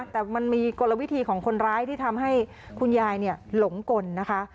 แต่มันมีกลวิธีของคนร้ายที่ทำให้คุณยายหลงกลนะคะ